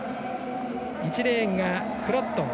１レーンがフロットン。